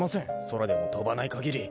空でも飛ばないかぎり。